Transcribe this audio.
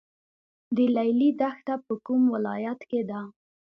د لیلی دښته په کوم ولایت کې ده؟